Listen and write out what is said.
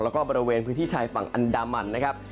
แล้วก็บริเวณพื้นที่ชายฝั่งอันดามันนะครับ